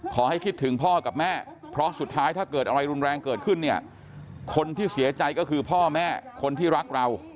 การแก่นนำของกลุ่มอาชีวะพิทักษ์ประชาชนเพื่อประชาธิปไตยนะครับ